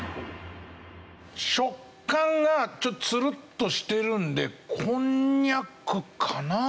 食感がちょっとツルッとしてるのでこんにゃくかな？